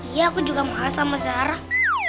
iya aku juga males sama sarah